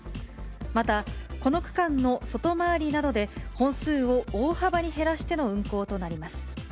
また、この区間の外回りなどで本数を大幅に減らしての運行となります。